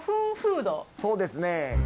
そうですね。